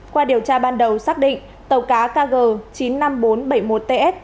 qua điều tra ban đầu xác định tàu cá kg chín mươi năm nghìn bốn trăm bảy mươi một ts